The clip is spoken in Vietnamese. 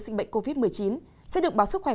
dịch bệnh covid một mươi chín sẽ được báo sức khỏe